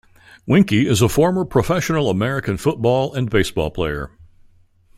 Weinke is a former professional American football and baseball player.